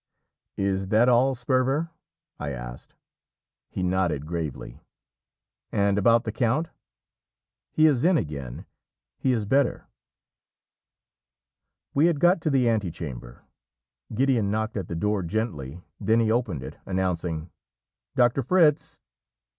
'" "Is that all, Sperver?" I asked. He nodded gravely. "And about the count?" "He is in again. He is better." We had got to the antechamber. Gideon knocked at the door gently, then he opened it, announcing "Doctor Fritz."